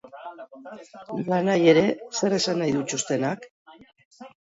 Nolanahi ere, zer esan nahi du txostenak?